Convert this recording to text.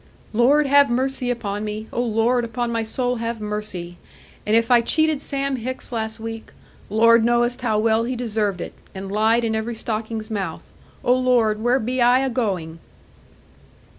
'Lord have mercy upon me! O Lord, upon my soul have mercy! An if I cheated Sam Hicks last week, Lord knowest how well he deserved it, and lied in every stocking's mouth oh Lord, where be I a going?'